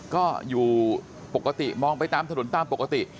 ก็อยู่ปกติมองไปตามถนนตามปกติ